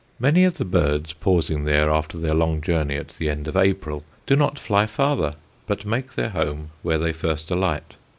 Many of the birds, pausing there after their long journey at the end of April, do not fly farther, but make their home where they first alight.